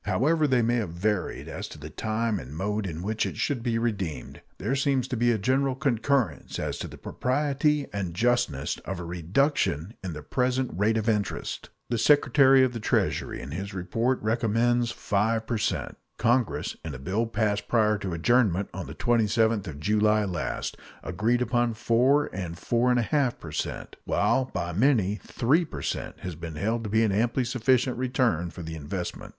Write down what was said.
However they may have varied as to the time and mode in which it should be redeemed, there seems to be a general concurrence as to the propriety and justness of a reduction in the present rate of interest. The Secretary of the Treasury in his report recommends 5 per cent; Congress, in a bill passed prior to adjournment on the 27th of July last, agreed upon 4 and 4 1/2 per cent; while by many 3 per cent has been held to be an amply sufficient return for the investment.